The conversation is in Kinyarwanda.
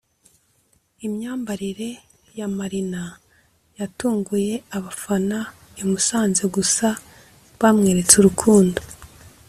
Imyambarire ya Marina yatunguye abafana i Musanze gusa bamweretse urukundo